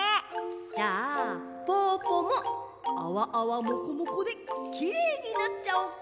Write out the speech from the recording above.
じゃあぽぅぽもあわあわもこもこできれいになっちゃおっか！